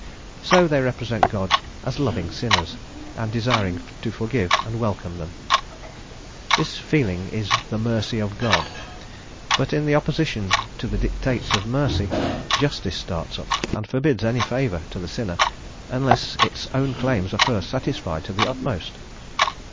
So they represent God as loving sinners, and desiring to forgive and welcome them. This feeling is the Mercy of God; but, in opposition to the dictates of Mercy, Justice starts up, and forbids any favour to the sinner unless its own claims are first satisfied to the utmost.